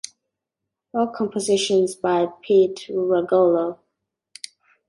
All compositions by Pete Rugolo.